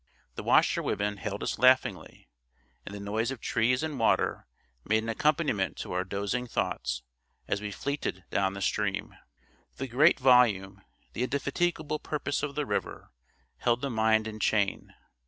The washerwomen hailed us laughingly; and the noise of trees and water made an accompaniment to our dozing thoughts, as we fleeted down the stream. The great volume, the indefatigable purpose of the river, held the mind in chain.